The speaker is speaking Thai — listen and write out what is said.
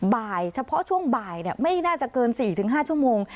บ่ายเฉพาะช่วงบ่ายไม่น่าจะเกิน๔๕ชั่วโมง